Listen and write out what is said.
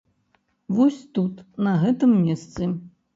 Вось тут, на гэтым месцы.